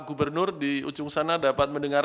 gubernur di ujung sana dapat mendengar